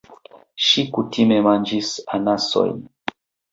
Ŝi kutime manĝis anasojn.